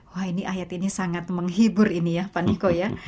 wah ini ayat ini sangat menghibur ini ya pak niko ya